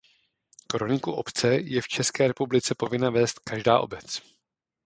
Kroniku obce je v České republice povinna vést každá obec.